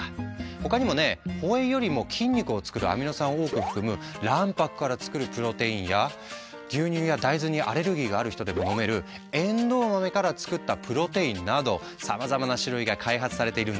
他にもねホエイよりも筋肉を作るアミノ酸を多く含む卵白から作るプロテインや牛乳や大豆にアレルギーがある人でも飲めるえんどう豆から作ったプロテインなどさまざまな種類が開発されているんだって。